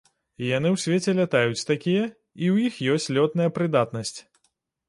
І яны ў свеце лятаюць такія, і ў іх ёсць лётная прыдатнасць.